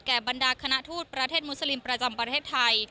บรรดาคณะทูตประเทศมุสลิมประจำประเทศไทย